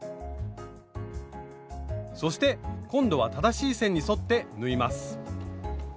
そして今度は正しい線に沿って縫います。